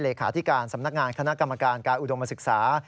เลขาธิการสำนักงานคณะกรรมการการอุดมศึกษา